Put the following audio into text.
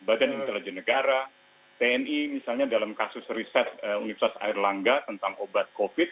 badan intelijen negara tni misalnya dalam kasus riset universitas airlangga tentang obat covid